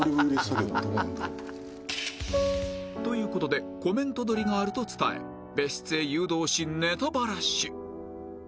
という事でコメント撮りがあると伝え別室へ誘導しネタバラシ